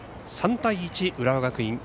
３対１、浦和学院